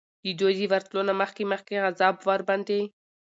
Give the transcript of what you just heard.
د دوی د ورتلو نه مخکي مخکي عذاب ورباندي